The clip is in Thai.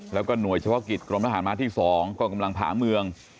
แล้วก็หน่วยเฉพาะกิจกรมทหารมาที่๒ก็กำลังผ่าเมือง